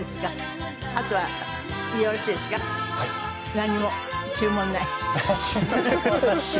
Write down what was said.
何も注文ない？